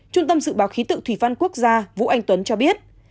trung tâm dự báo khí tượng thủy văn quốc gia vũ anh tuấn cho biết